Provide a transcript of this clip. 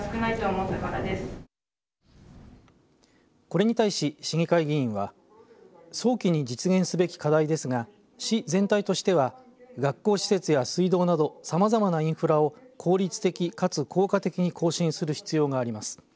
これに対し、市議会議員は早期に実現すべき課題ですが市全体としては学校施設や水道などさまざまなインフラを効率的かつ効果的に更新する必要があります。